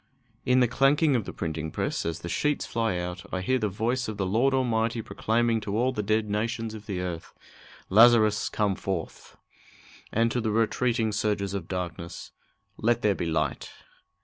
In the clanking of the printing press, as the sheets fly out, I hear the voice of the Lord Almighty proclaiming to all the dead nations of the earth, "Lazarus, come forth!" And to the retreating surges of darkness, "Let there be light!"